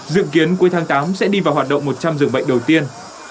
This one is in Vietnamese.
dự kiến cuối tháng tám sẽ đi vào hoạt động một trăm linh giường bệnh đầu tiên